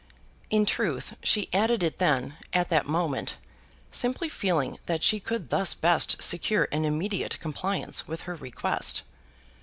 In truth, she added it then, at that moment, simply feeling that she could thus best secure an immediate compliance with her request.